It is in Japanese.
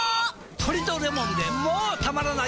トリとレモンでもたまらない